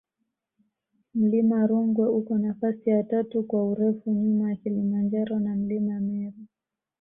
mlima rungwe uko nafasi ya tatu kwa urefu nyuma ya kilimanjaro na mlima meru